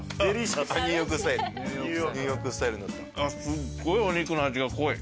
すごいお肉の味が濃い。